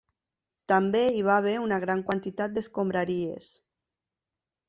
També hi va haver una gran quantitat d'escombraries.